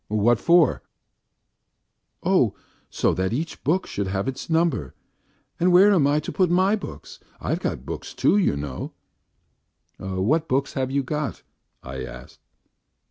"What for?" "Oh, so that each book should have its number. And where am I to put my books? I've got books too, you know." "What books have you got?" I asked.